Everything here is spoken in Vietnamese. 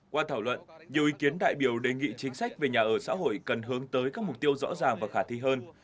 qua thảo luận nhiều ý kiến đại biểu đề nghị chính sách về nhà ở xã hội cần hướng tới các mục tiêu rõ ràng và khả thi hơn